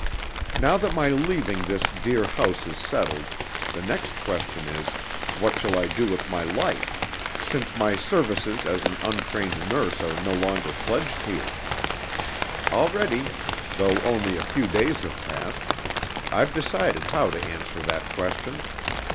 "Now that my leaving this dear house is settled, the next question is, What shall I do with my life, since my services as an untrained nurse are no longer pledged here? Already, though only a few days have passed, I've decided how to answer that question.